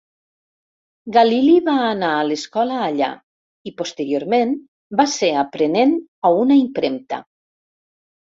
Galili va anar a l'escola allà i, posteriorment, va ser aprenent a una impremta.